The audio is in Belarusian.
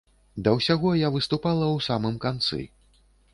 Да ўсяго, я выступала ў самым канцы.